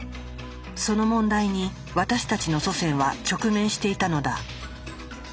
その問題に私たちの祖先は直面していたのだ。